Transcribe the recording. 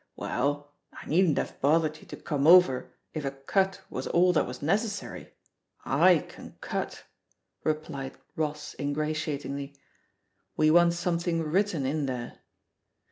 "Well, I needn't have bothered you to come over if a cut was all that was necessary — I can cutr replied Ross ingratiatingly; "we want something written in there.